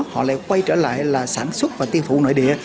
họ lại quay trở lại là sản xuất và tiêu thụ nội địa